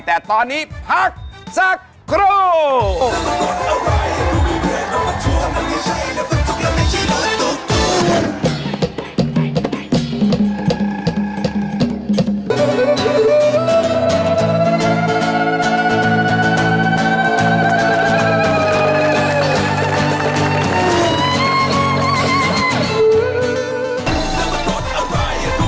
แต่ตอนนี้พักสักครู่